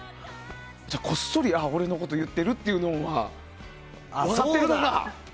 じゃあ、こっそり、ああ俺のこと言ってるっていうのは分かってるのか。